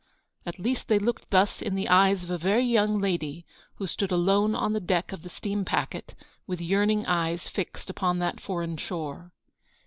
At least they looked thus in the eyes of a very young lady, who stood alone on the deck of the steam packet, with yearning eyes fixed upon that foreign shore.